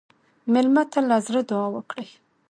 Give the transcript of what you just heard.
مېلمه ته له زړه دعا وکړئ.